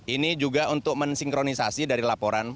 ini juga untuk mensinkronisasi dari laporan